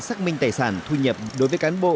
xác minh tài sản thu nhập đối với cán bộ